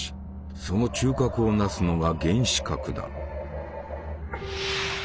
その中核を成すのが原子核だ。